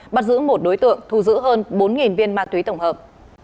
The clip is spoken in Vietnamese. bắt giữ một đối tượng thu giữ hơn bốn viên ma túy tổng hợp